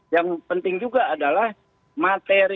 yang penting juga adalah materi